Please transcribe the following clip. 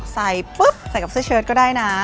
ใส่ปุ๊บใส่กับเสื้อเชิดก็ได้นะ